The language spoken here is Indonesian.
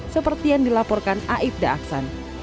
seperti yang dilaporkan aibda aksan